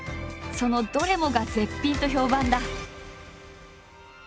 そのどれもが絶品と評判だ。